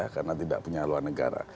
karena tidak punya haluan negara